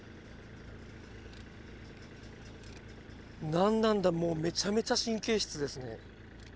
何なんだもうめちゃめちゃ神経質ですね。